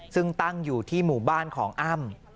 ซึ่งตั้งอยู่ที่หมู่บ้านของอ้ำ